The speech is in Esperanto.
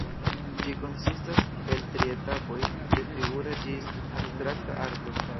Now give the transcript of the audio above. Ĝi konsistas el tri etapoj, de figura ĝis abstrakta arto.